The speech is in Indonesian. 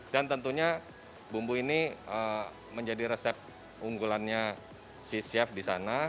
dan tentunya bumbu ini menjadi resep unggulannya si chef di sana